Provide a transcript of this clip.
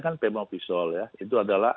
kan pemopisol ya itu adalah